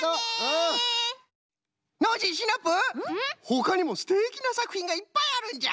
ほかにもすてきなさくひんがいっぱいあるんじゃ。